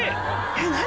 えっ何？